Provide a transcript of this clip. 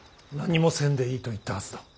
何もせんでいいと言ったはずだ。